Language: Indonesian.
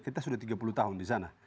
kita sudah tiga puluh tahun di sana